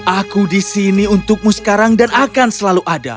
aku di sini untukmu sekarang dan akan selalu ada